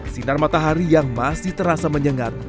sinar matahari yang masih terasa menyengat